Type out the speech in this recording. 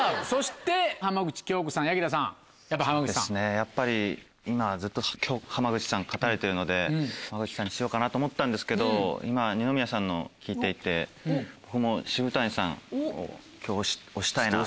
やっぱり今ずっと浜口さん勝たれてるので浜口さんにしようかなと思ったんですけど今二宮さんのを聞いていて僕も渋谷さんを今日推したいなと。